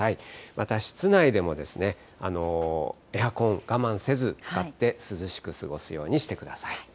また室内でもエアコン、我慢せず使って、涼しく過ごすようにしてください。